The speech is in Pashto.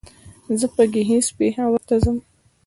زه به ګهيځ پېښور ته ځم